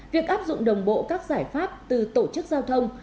việc áp dụng đồng bộ các giải pháp từ tổ chức giao thông